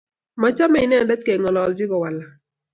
Machame inendet kengololji kowalak